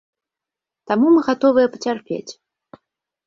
Таму мы гатовыя пацярпець.